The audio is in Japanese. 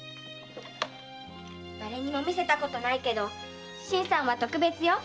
誰にも見せたことないけど新さんは特別よ。